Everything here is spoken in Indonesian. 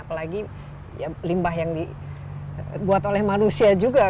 apalagi limbah yang dibuat oleh manusia juga